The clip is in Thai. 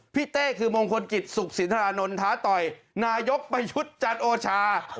เต้คือมงคลกิจสุขสินทรานนท์ท้าต่อยนายกประยุทธ์จันโอชา